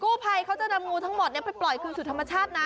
คุณกู่ไพเขาจะดำงูทั้งหมดนี้ไปปล่อยคืนสุดธรรมชาตินะ